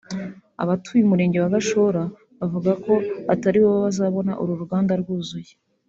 Abatuye umurenge wa Gashora bavuga ko ataribo bazabona uru ruganda rwuzuye